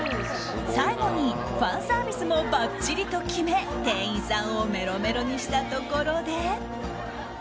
最後にファンサービスもばっちりと決め店員さんをメロメロにしたところで。